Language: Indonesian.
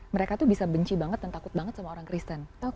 mereka tuh bisa benci banget dan takut banget sama orang kristen